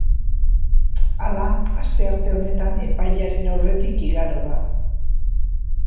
Hala, astearte honetan epailearen aurretik igaro da.